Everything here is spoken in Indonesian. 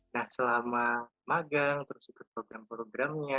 nah selama magang terus ikut program programnya